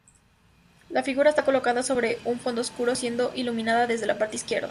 La figura está colocada sobre un fondo oscuro, siendo iluminada desde la parte izquierda.